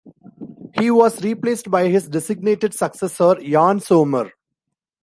He was replaced by his designated successor Yann Sommer.